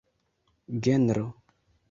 genro